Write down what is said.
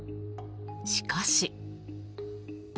しかし。